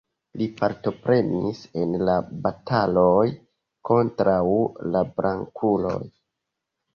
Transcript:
Li partoprenis en la bataloj kontraŭ la blankuloj.